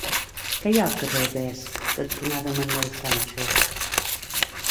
Què hi ha al carrer Vesc cantonada Manuel Sancho?